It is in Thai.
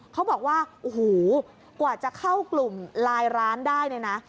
เขาบอกว่ากว่าจะเข้ากลุ่มไลน์ร้านได้